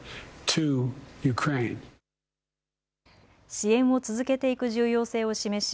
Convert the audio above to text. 支援を続けていく重要性を示し